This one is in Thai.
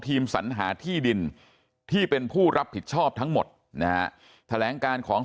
สัญหาที่ดินที่เป็นผู้รับผิดชอบทั้งหมดนะฮะแถลงการของ